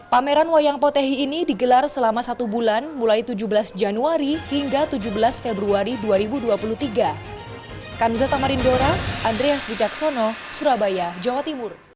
pameran wayang potehi ini digelar selama satu bulan mulai tujuh belas januari hingga tujuh belas februari dua ribu dua puluh tiga